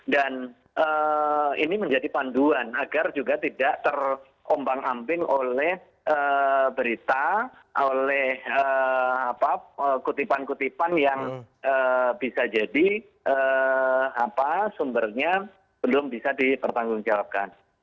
dan ini menjadi panduan agar juga tidak terombang ambing oleh berita oleh kutipan kutipan yang bisa jadi sumbernya belum bisa dipertanggungjawabkan